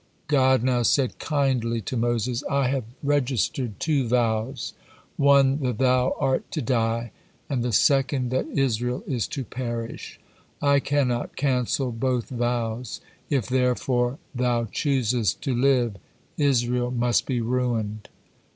God now said kindly to Moses: "I have registered two vows, one that thou are to die, and the second that Israel is to perish. I cannot cancel both vows, if therefore thou choosest to live, Israel must be ruined."